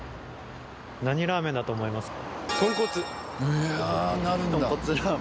何ラーメンだと思いますか？